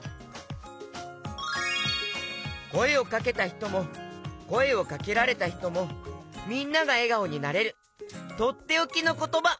こえをかけたひともこえをかけられたひともみんながえがおになれるとっておきのことば！